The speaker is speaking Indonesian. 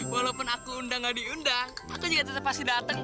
walaupun aku undang gak diundang aku juga tetep pasti dateng kak